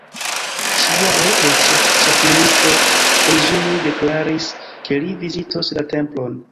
Ĉi-jare eĉ ĉefministro Koizumi deklaris, ke li vizitos la templon.